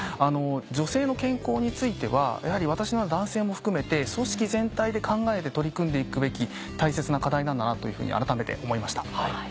女性の健康についてはやはり私など男性も含めて組織全体で考えて取り組んでいくべき大切な課題なんだなというふうに改めて思いました。